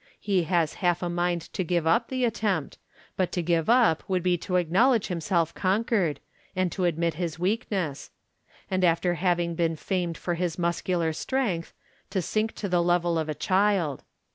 He has half a mind to give up the attempt j but to give up would be to acknowledge himself conquered, and to admit his weakness; and after having been famed for his muscular strength, to sink to the level of a child.